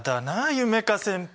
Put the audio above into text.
夢叶先輩